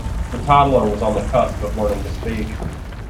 The toddler was on the cusp of learning to speak.